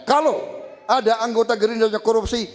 kalau ada anggota gerindra yang korupsi